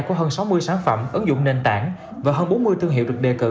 của hơn sáu mươi sản phẩm ứng dụng nền tảng và hơn bốn mươi thương hiệu được đề cử